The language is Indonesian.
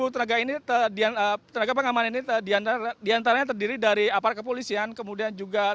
lima belas tenaga pengamanan ini diantaranya terdiri dari apar kepolisian kemudian juga tni polri